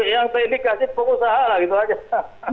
yang terindikasi pengusaha